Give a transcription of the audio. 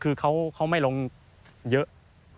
คือเขาไม่ลงเยอะ